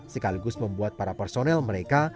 sekaligus membuat para personel mereka